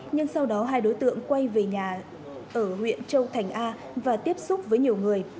nhưng sau đó hai đối tượng quay về nhà ở huyện châu thành a và tiếp xúc với nhiều người